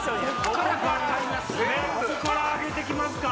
ここから上げて来ますか！